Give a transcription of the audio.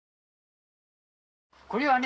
これはね